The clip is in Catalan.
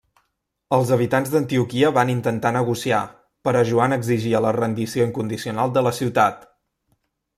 Els habitants d'Antioquia van intentar negociar, però Joan exigia la rendició incondicional de la ciutat.